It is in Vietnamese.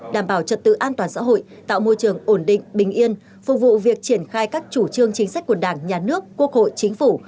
đảm bảo trật tự an toàn xã hội tạo môi trường ổn định bình yên phục vụ việc triển khai các chủ trương chính sách của đảng nhà nước quốc hội chính phủ